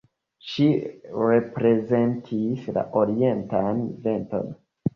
Ŝi reprezentis la orientan venton.